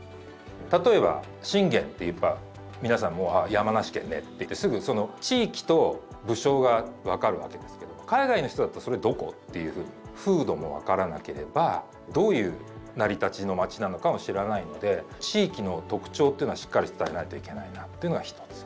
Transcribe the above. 例えば信玄っていえば皆さんもうあ山梨県ねって言ってすぐその地域と武将が分かるわけですけれども海外の人だったら「それどこ？」っていうふうに風土も分からなければどういう成り立ちの町なのかも知らないので地域の特徴というのはしっかり伝えないといけないなというのが一つ。